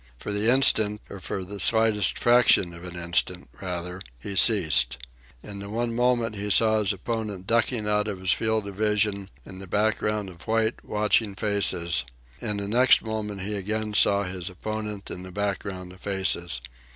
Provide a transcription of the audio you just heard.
For the instant, or for the slighest fraction of an instant, rather, he ceased. In the one moment he saw his opponent ducking out of his field of vision and the background of white, watching faces; in the next moment he again saw his opponent and the background of faces.